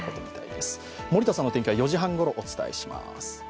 森田さんの天気は４時半ごろお伝えします。